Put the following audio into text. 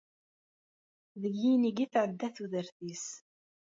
Deg yinig i tɛedda tudert-is.